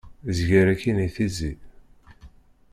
Zger akkin i tizi.